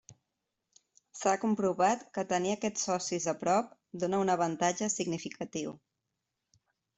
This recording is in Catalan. S'ha comprovat que tenir aquests socis a prop dóna un avantatge significatiu.